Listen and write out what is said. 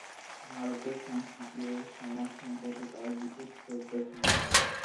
ভারতের সংস্কৃতি ও সমাজ সম্পর্কে তার বিশেষ শ্রদ্ধা ছিল।